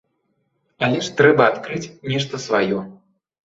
Але ж трэба адкрыць нешта сваё.